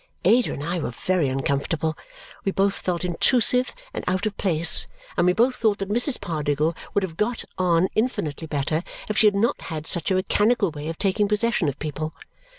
Ada and I were very uncomfortable. We both felt intrusive and out of place, and we both thought that Mrs. Pardiggle would have got on infinitely better if she had not had such a mechanical way of taking possession of people.